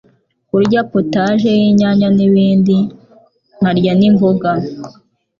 kurya potaje y’inyanya n’ibindi, nkarya n’imboga